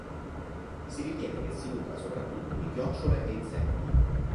Si ritiene che si nutra soprattutto di chiocciole e insetti.